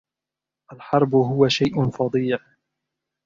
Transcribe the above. الحرب هو شيءٌ فظيع.